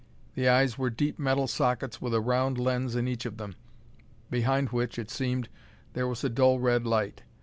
The eyes were deep metal sockets with a round lens in each of them, behind which, it seemed, there was a dull red light.